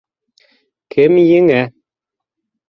Кем еңә.